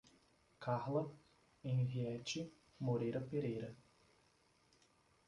Carla Henriete Moreira Pereira